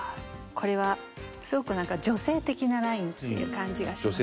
これはすごくなんか女性的なラインっていう感じがしますね。